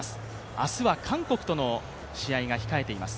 明日は韓国との試合が控えています。